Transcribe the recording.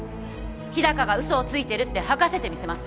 日高が嘘をついてるって吐かせてみせます